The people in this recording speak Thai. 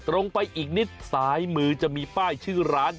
ลงไปอีกนิดซ้ายมือจะมีป้ายชื่อร้าน